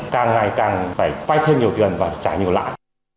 càng ngày càng phải vai thêm nhiều tiền và trả nhiều lại